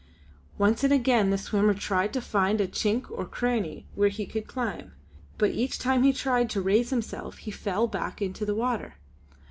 Once and again the swimmer tried to find a chink or cranny where he could climb; but each time he tried to raise himself he fell back into the water.